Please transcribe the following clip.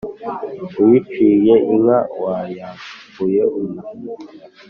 uyiciye inka wayambuye umuhinza.